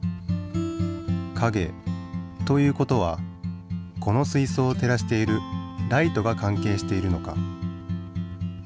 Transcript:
かげという事はこの水そうを照らしているライトが関係しているのか？